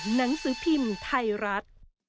หนังสือพิมพ์ไทยรัฐ